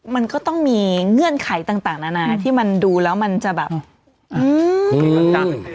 มันก็ต้องมีเงื่อนไขต่างนานาที่มันดูแล้วมันจะแบบ